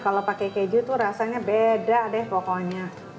kalau pakai keju itu rasanya beda deh pokoknya